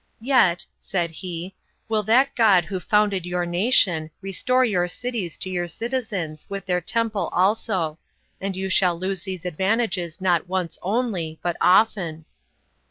"Yet," said he, "will that God who founded your nation, restore your cities to your citizens, with their temple also; and you shall lose these advantages not once only, but often."